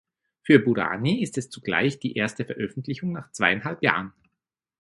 Für Bourani ist es zugleich die erste Veröffentlichung nach zweieinhalb Jahren.